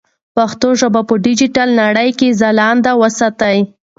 پښتو ژبه په ډیجیټل نړۍ کې ځلانده وساتئ.